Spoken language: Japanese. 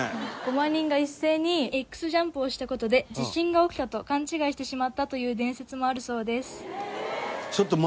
５万人が一斉にＸジャンプをした事で地震が起きたと勘違いしてしまったという伝説もあるそうです。